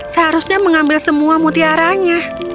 seharusnya mengambil semua mutiaranya